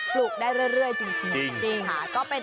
ดอกใหญ่ขายอยู่ที่ราคาดอกละ๒บาท